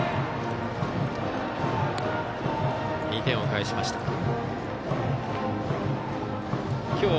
２点を返しました。